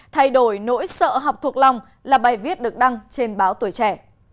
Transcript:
thay đổi nỗi sợ học thuộc lòng là bài viết được đăng trên báo tuổi trẻ